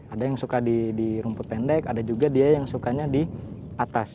ada yang suka di rumput pendek ada juga dia yang sukanya di atas